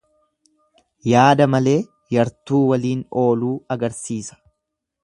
Yaada malee yartuu waliin ooluu agarsiisa.